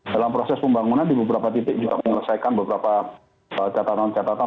dalam proses pembangunan di beberapa titik juga menyelesaikan beberapa catatan catatan